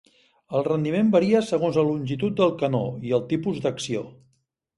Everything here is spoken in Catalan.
El rendiment varia segons la longitud del canó i el tipus d'acció.